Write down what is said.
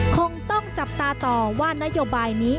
คงต้องจับตาต่อว่านโยบายนี้